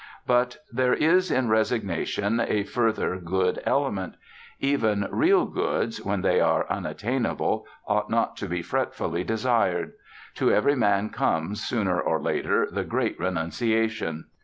But there is in resignation a further good element: even real goods, when they are unattainable, ought not to be fretfully desired. To every man comes, sooner or later, the great renunciation.